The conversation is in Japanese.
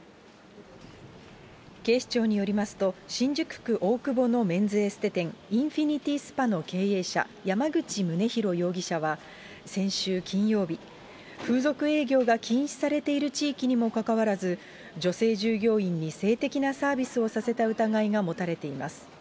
警視庁によりますと、新宿区大久保のメンズエステ店、インフィニティスパの経営者、山口むねひろ容疑者は先週金曜日、風俗営業が禁止されている地域にもかかわらず、女性従業員に性的なサービスをさせた疑いが持たれています。